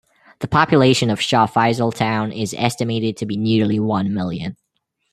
The population of Shah Faisal Town is estimated to be nearly one million.